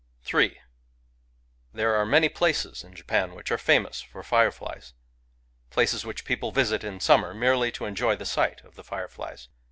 , III There are many places in Japan which are fa mous for fireflies, — places which people visit in summer merely to enjoy the sight of the fireflies.